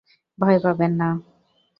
ভয় পাবেন না।